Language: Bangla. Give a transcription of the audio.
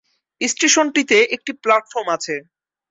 স্টেশনটিতে একটি প্ল্যাটফর্ম আছে।